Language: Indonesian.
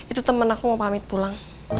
itu temen aku mau pamit pulang